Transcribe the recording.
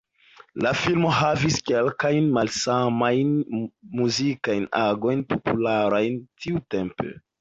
La filmo havis kelkajn malsamajn muzikajn agojn popularajn tiutempe.